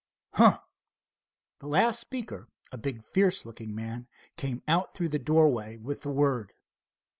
"Huh!" The last speaker, a big fierce looking man came out through the doorway with the word.